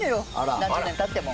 何十年経っても。